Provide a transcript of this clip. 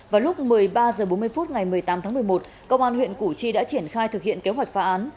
vào lúc một mươi ba h bốn mươi phút ngày một mươi tám tháng một mươi một công an huyện củ chi đã triển khai thực hiện kế hoạch phá án